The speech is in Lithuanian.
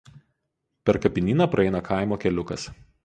Per kapinyną praeina kaimo keliukas.